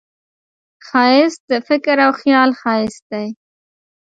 ښایست د فکر او خیال ښایست دی